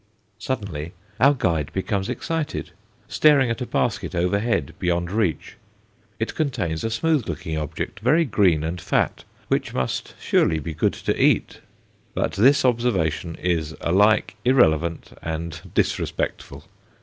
Suddenly our guide becomes excited, staring at a basket overhead beyond reach. It contains a smooth looking object, very green and fat, which must surely be good to eat but this observation is alike irrelevant and disrespectful.